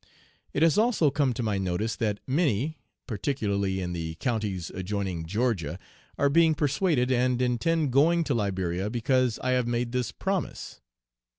"'It has also come to my notice that many, particularly in the counties adjoining Georgia, are being persuaded, and intend going to Liberia because I have made this promise.